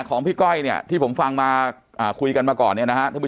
ของพี่ก้อยเนี่ยที่ผมฟังมาคุยกันมาก่อนเนี่ยนะฮะท่านผู้